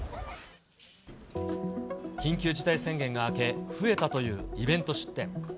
緊急事態宣言が明け、増えたというイベント出店。